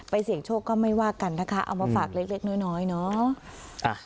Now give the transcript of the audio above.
เสี่ยงโชคก็ไม่ว่ากันนะคะเอามาฝากเล็กน้อยเนาะ